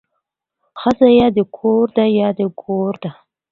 ښځه يا د کور ده يا د ګور ده